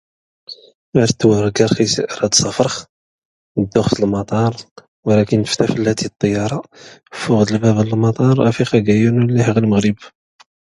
Ar ttwargax is rix ad safrx, ddux s lmaṭaṛ, walakin tfta fllati ṭṭyaṛa, fuɣɣ d lbab n lmaṭaṛ afix agayyu nu lliḥ ɣ lmɣrib